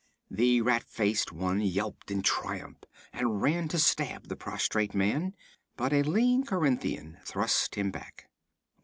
The rat faced one yelped in triumph and ran to stab the prostrate man, but a lean Corinthian thrust him back.